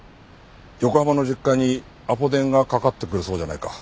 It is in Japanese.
横浜の実家にアポ電がかかってくるそうじゃないか。